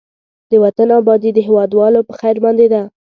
د وطن آبادي د هېوادوالو په خير باندې ده.